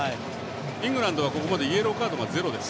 イングランドは、ここまでイエローカードがゼロです。